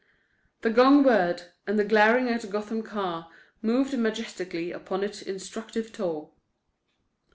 The gong whirred, and the Glaring at Gotham car moved majestically upon its instructive tour.